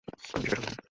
আমি বিষয়টা সামলে নিবো।